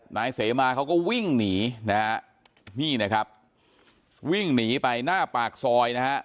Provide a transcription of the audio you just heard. นายเสมาเขาก็วิ่งหนีนะฮะนี่นะครับวิ่งหนีไปหน้าปากซอยนะฮะ